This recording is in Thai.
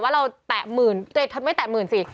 ว่าเราแตะหมื่นไม่แตะหมื่นสิ